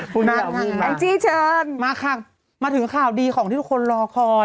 คุณนัทค่ะแองจี้เชิญมาค่ะมาถึงข่าวดีของที่ทุกคนรอคอย